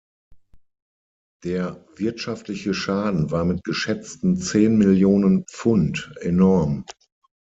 Der wirtschaftliche Schaden war mit geschätzten zehn Millionen Pfund enorm.